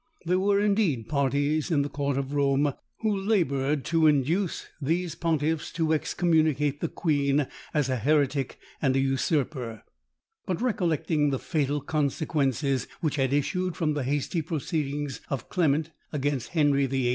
There were, indeed, parties in the court of Rome, who laboured to induce these pontiffs to excommunicate the queen, as a heretic and a usurper; but recollecting the fatal consequences which had issued from the hasty proceedings of Clement against Henry VIII.